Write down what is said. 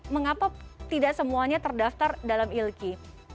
mengapa tidak semuanya terdaftar dalam ilki